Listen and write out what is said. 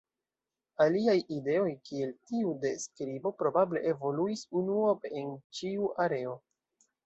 Aliaj ideoj kiel tiu de skribo probable evoluis unuope en ĉiu areo.